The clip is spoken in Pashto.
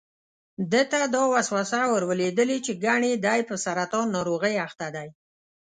ده ته دا وسوسه ور لوېدلې چې ګني دی په سرطان ناروغۍ اخته دی.